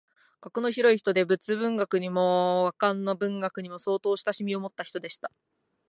学の広い人で仏文学にも和漢の文学にも相当親しみをもった人でした